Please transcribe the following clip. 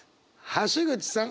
橋口さん